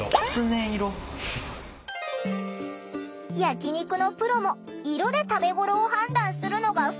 焼き肉のプロも色で食べごろを判断するのがふつう。